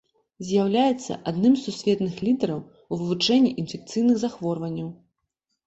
З'яўляецца адным з сусветных лідараў у вывучэнні інфекцыйных захворванняў.